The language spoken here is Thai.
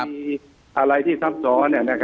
มีอะไรที่ซับซ้อน